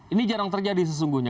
ini jarang terjadi sesungguhnya